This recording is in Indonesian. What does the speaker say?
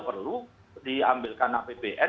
perlu diambilkan apbn